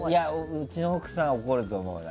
うちの奥さんは怒ると思うな。